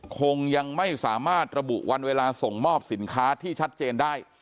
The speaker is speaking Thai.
คงยังไม่สามารถระบุวันเวลาส่งมอบสินค้าที่ชัดเจนได้